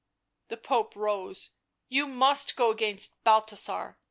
The Pope rose. " You must go against Balthasar.